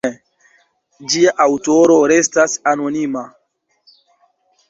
Ĝia aŭtoro restas anonima.